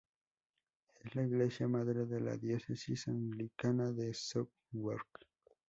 Es la iglesia madre de la diócesis anglicana de Southwark.